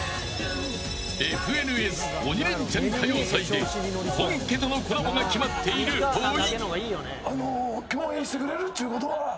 ＦＮＳ鬼レンチャン歌謡祭で本家とのコラボが決まっている、ほい。